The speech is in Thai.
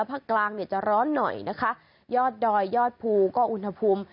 ภาคกลางจะร้อนหน่อยยอดดอยยอดภูมิก็อุณหภูมิ